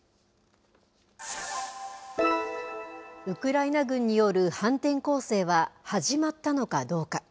ウクライナ軍による反転攻勢は始まったのかどうか。